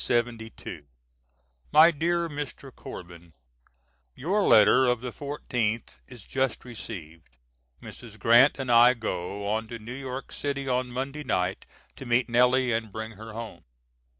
MY DEAR MR. CORBIN: Your letter of the 14th is just received. Mrs. Grant and I go on to New York City on Monday night to meet Nellie and bring her home.